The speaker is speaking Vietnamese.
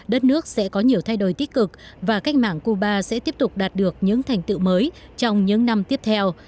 đất nước sẽ có nhiều thay đổi tích cực và cách mạng cuba sẽ tiếp tục đạt được những thành tựu mới trong những năm tiếp theo